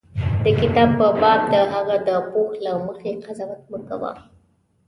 د کتاب په باب د هغه د پوښ له مخې قضاوت مه کوه.